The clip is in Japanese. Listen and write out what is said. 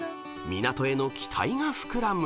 ［港への期待が膨らむ］